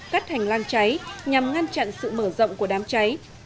bắt thành lan cháy nhằm ngăn chặn sự mở rộng của đám cháy